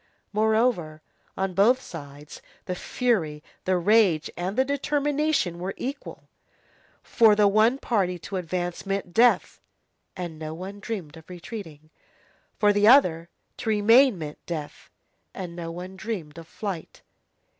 Moreover, on both sides, the fury, the rage, and the determination were equal. For the one party, to advance meant death, and no one dreamed of retreating; for the other, to remain meant death, and no one dreamed of flight.